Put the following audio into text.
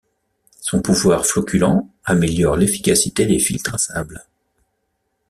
Son pouvoir floculant améliore l'efficacité des filtres à sable.